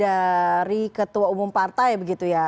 dari ketua umum partai begitu ya